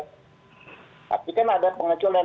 tapi kan ada pengecualian